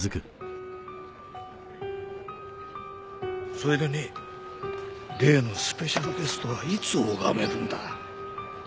それでね例のスペシャルゲストはいつ拝めるんだ？